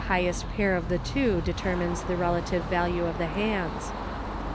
highest pair of the two determines the relative value of the hands.